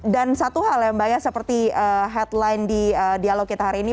dan satu hal yang banyak seperti headline di dialog kita hari ini